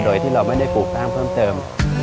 โดยที่เราไม่ได้ปลูกสร้างเพิ่มเติม